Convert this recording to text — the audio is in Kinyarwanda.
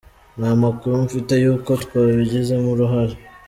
Nta makuru mfite y’uko twabigizemo uruhare.